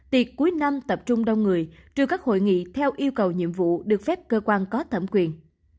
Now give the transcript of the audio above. tiệc cuối năm tập trung đông người trừ các hội nghị theo yêu cầu nhiệm vụ được phép cơ quan có thẩm quyền